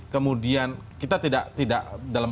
kemudian kita tidak dalam